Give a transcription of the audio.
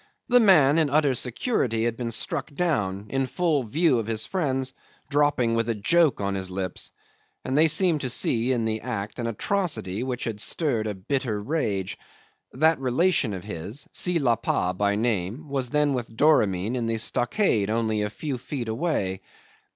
The man in utter security had been struck down, in full view of his friends, dropping with a joke on his lips, and they seemed to see in the act an atrocity which had stirred a bitter rage. That relation of his, Si Lapa by name, was then with Doramin in the stockade only a few feet away.